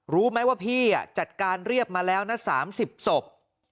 รู้ไหมว่าพี่จัดการเรียบมาแล้วนะ๓๐ศพ